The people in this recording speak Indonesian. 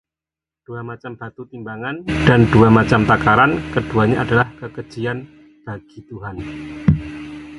Dua macam batu timbangan dan dua macam takaran, keduanya adalah kekejian bagi Tuhan.